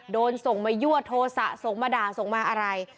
โดนส่งมายั่วโทษะส่งมาด่าส่งมาอะไร